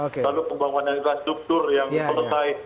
lalu pembangunan infrastruktur yang selesai